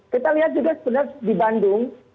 kita lihat juga sebenarnya di bandung